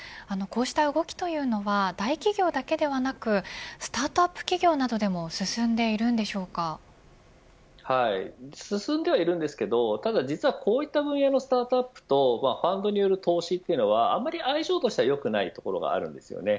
こうした動きというのは大企業だけではなくスタートアップ企業などでも進んではいるんですけれど実はこういった分野のスタートアップとファンドによる投資というのは相性としては良くないところがあるんです。